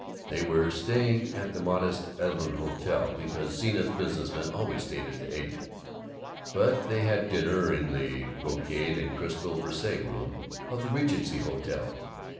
They were staying at the modest Eden Hotel, because Zenith business men always stayed at the Eden, but they had dinner in the brocade and crystal Versailles Room of the Regency Hotel.